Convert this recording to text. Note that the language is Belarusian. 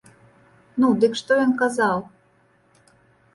Ну, дык што ён казаў?